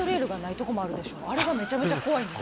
あれがめちゃめちゃ怖いんです。